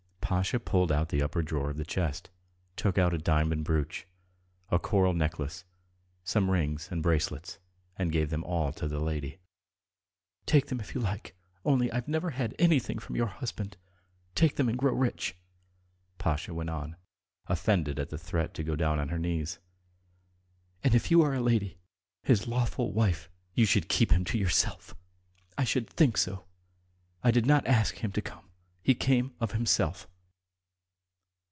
..." Pasha pulled out the upper drawer of the chest, took out a diamond brooch, a coral necklace, some rings and bracelets, and gave them all to the lady. "Take them if you like, only I've never had anything from your husband. Take them and grow rich," Pasha went on, offended at the threat to go down on her knees. "And if you are a lady ... his lawful wife, you should keep him to yourself. I should think so! I did not ask him to come; he came of himself."